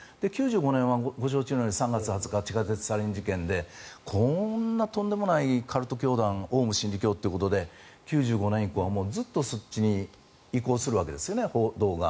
９５年はご存じのように３月２０日地下鉄サリン事件でこんなとんでもないカルト教団オウム真理教っていうことで９５年以降はずっとそっちに移行するわけですよね、報道が。